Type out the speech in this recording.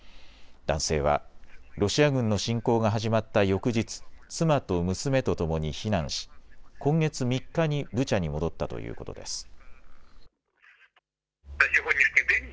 男性はロシア軍の侵攻が始まった翌日、妻と娘とともに避難し、今月３日にブチャに戻ったということです。